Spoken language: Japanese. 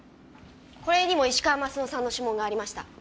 これにも石川鱒乃さんの指紋がありました。